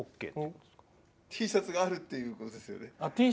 Ｔシャツがあるってことですね。